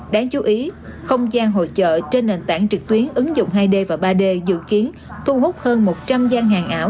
đáng chú ý không gian hội chợ trên nền tảng trực tuyến ứng dụng hai d và ba d dự kiến thu hút hơn một trăm linh gian hàng ảo